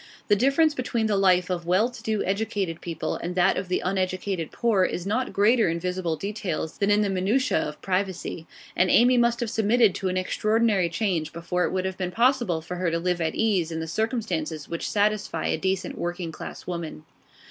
The difference between the life of well to do educated people and that of the uneducated poor is not greater in visible details than in the minutiae of privacy, and Amy must have submitted to an extraordinary change before it would have been possible for her to live at ease in the circumstances which satisfy a decent working class woman.